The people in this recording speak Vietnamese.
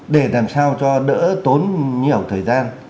để làm sao cho đỡ tốn nhiều thời gian